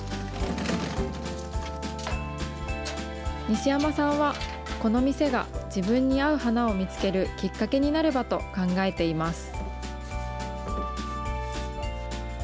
西山さんは、この店が自分に合う花を見つけるきっかけになればと考えています。